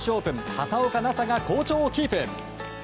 畑岡奈紗が好調をキープ。